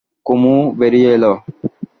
কুমু বেরিয়ে এল।